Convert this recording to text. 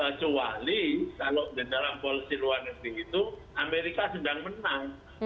kecuali kalau di dalam polisi luar negeri itu amerika sedang menang